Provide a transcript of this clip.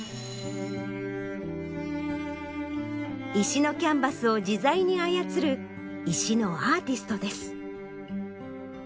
石のキャンバスを自在に操る石のアーティストです。